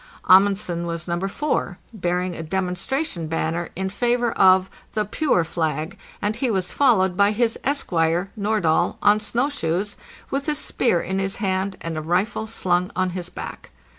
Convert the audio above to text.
Amundsen was No. 4, bearing a demonstration banner in favor of "the Pure Flag,' and he was followed by his esquire, Nordahl, on snow shoes with a spear in his hand and a rifle slung on his back.